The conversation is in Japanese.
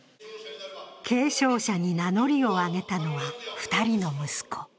継承者に名乗りを挙げたのは２人の息子。